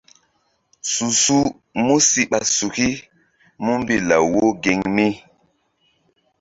Su-su músi ɓa suki múmbi law wo geŋ mi.